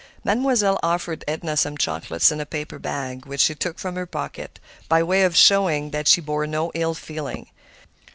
Mademoiselle offered Edna some chocolates in a paper bag, which she took from her pocket, by way of showing that she bore no ill feeling.